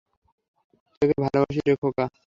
তোকে ভালোবাসি রে, খোকা।